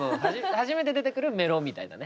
初めて出てくるメロみたいなね。